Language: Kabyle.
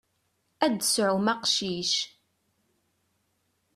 Ad d-tesɛum aqcic.